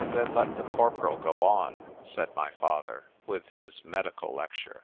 ——Then let the corporal go on, said my father, with his medical lecture.